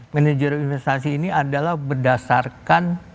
manajer investasi ini adalah berdasarkan